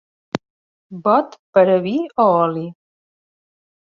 Bot per a vi o oli.